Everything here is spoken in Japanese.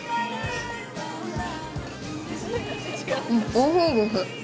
おいしいです。